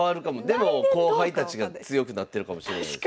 でも後輩たちが強くなってるかもしれないですよね。